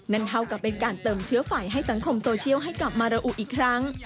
นั่นเท่ากับเป็นการเติมเชื้อไฟให้สังคมโซเชียลให้กลับมาระอุอีกครั้ง